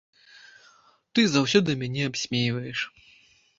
Ты заўсёды мяне абсмейваеш.